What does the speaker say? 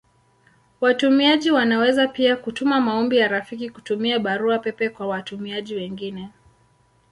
Watumiaji wanaweza pia kutuma maombi ya rafiki kutumia Barua pepe kwa watumiaji wengine.